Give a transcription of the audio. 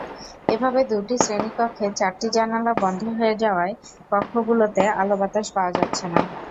এভাবে দুটি শ্রেণীকক্ষের চারটি জানালা বন্ধ হয়ে যাওয়ায় কক্ষগুলোতে আলো-বাতাস পাওয়া যাচ্ছে না।